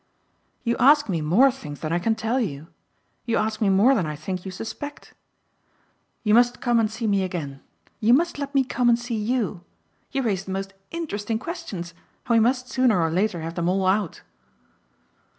"You ask me more things than I can tell you. You ask me more than I think you suspect. You must come and see me again you must let me come and see you. You raise the most interesting questions and we must sooner or later have them all out."